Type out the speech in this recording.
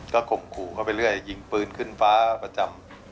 ก็ข่มขู่เข้าไปเรื่อยยิงปืนขึ้นฟ้าประจำ